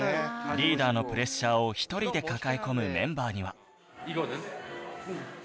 リーダーのプレッシャーを１人で抱え込むメンバーには